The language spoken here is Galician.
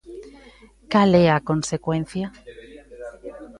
Cal é a consecuencia?